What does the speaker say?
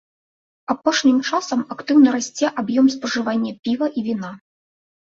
Апошнім часам актыўна расце аб'ём спажывання піва і віна.